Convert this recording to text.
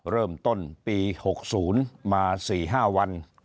เริ่มต้นปี๖๐มา๔๕วัน